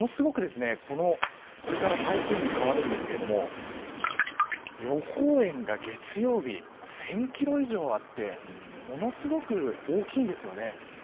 これから台風に変わっていくのですが予報円が月曜日に１０００キロ以上あってものすごく大きいです。